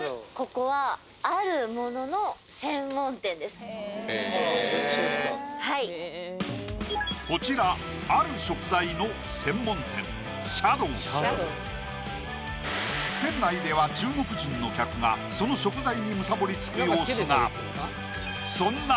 ここはストロング中華はいこちらある食材の専門店店内では中国人の客がその食材にむさぼりつく様子がそんな